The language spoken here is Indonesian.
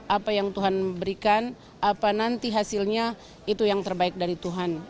apa yang tuhan berikan apa nanti hasilnya itu yang terbaik dari tuhan